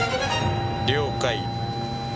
了解。